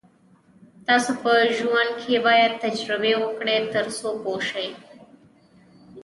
تاسو په ژوند کې باید تجربې وکړئ تر څو پوه شئ.